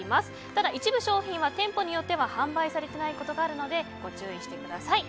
ただ一部商品は店舗によっては販売されていないことがあるのでご注意してください。